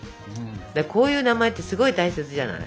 こういう名前ってすごい大切じゃない？